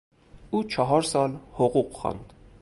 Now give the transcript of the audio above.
او چهار سال حقوق خواند.